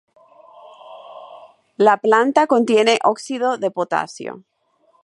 La planta contiene óxido de potasio.